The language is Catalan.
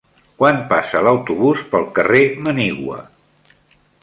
Quan passa l'autobús pel carrer Manigua?